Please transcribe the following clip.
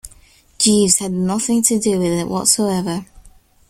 Jeeves had nothing to do with it whatsoever.